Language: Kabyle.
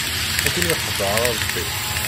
Ad ken-ixdeɛ Ṛebbi.